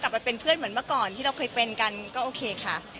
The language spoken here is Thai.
ไปเป็นเพื่อนเหมือนเมื่อก่อนที่เราเคยเป็นกันก็โอเคค่ะ